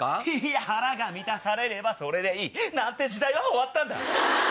いや腹が満たされればそれでいい！なんて時代は終わったんだ。